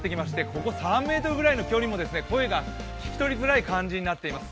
ここ３ｍぐらいの距離でも声が聞き取りづらい感じになっています。